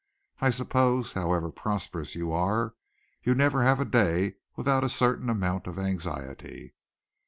I suppose, however prosperous you are, you never have a day without a certain amount of anxiety?"